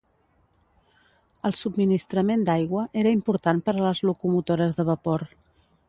El subministrament d'aigua era important per a les locomotores de vapor.